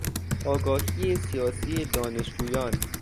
آگاهی سیاسی دانشجویان